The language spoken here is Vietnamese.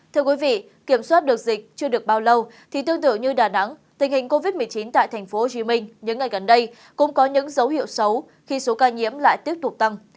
thưa quý vị kiểm soát được dịch chưa được bao lâu thì tương tự như đà nẵng tình hình covid một mươi chín tại tp hcm những ngày gần đây cũng có những dấu hiệu xấu khi số ca nhiễm lại tiếp tục tăng